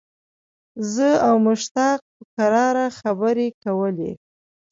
زه او مشتاق په کراره خبرې کولې.